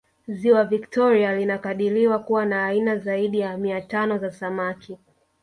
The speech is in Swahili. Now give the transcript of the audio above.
Ziwa Victoria linakadiriwa kuwa na aina zaidi ya mia tano za samaki